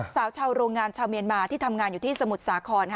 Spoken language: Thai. สาวชาวโรงงานชาวเมียนมาที่ทำงานอยู่ที่สมุทรสาคร